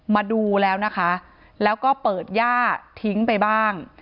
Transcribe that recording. มาดูแล้วนะคะแล้วก็เปิดย่าทิ้งไปบ้าง